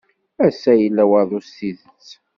Ass-a yella waḍu s tidet.